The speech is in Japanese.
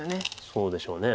そうでしょうね。